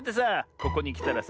ここにきたらさ